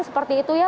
seperti itu ya